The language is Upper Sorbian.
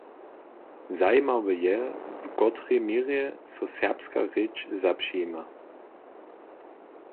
Zajimawe je, w kotrej měrje so serbska rěč zapřijima.